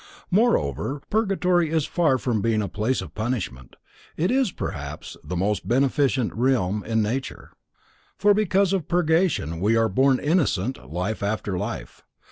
Moreover, purgatory is far from being a place of punishment, it is perhaps the most beneficent realm in nature, for because of purgation we are born innocent life after life.